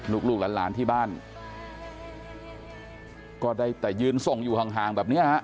ลูกลูกหลานที่บ้านก็ได้แต่ยืนส่งอยู่ห่างแบบเนี้ยฮะ